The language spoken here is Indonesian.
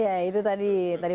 ya itu tadi